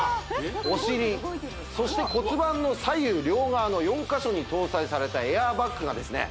お尻そして骨盤の左右両側の４カ所に搭載されたエアーバッグがですね